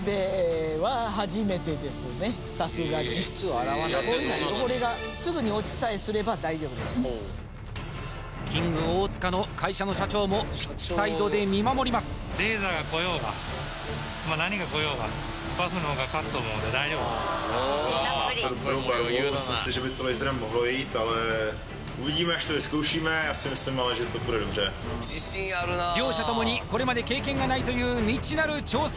さすがにキング大塚の会社の社長もサイドで見守ります両者ともにこれまで経験がないという未知なる挑戦！